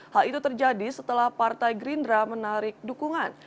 hal itu terjadi setelah partai gerindra menarik dukungan